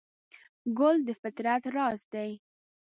ګل د فطرت راز دی.